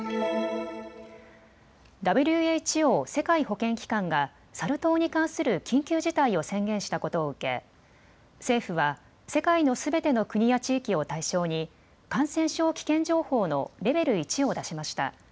ＷＨＯ・世界保健機関がサル痘に関する緊急事態を宣言したことを受け、政府は世界のすべての国や地域を対象に感染症危険情報のレベル１を出しました。